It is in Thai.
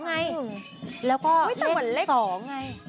๓ไงแล้วก็เล็ก๒ไง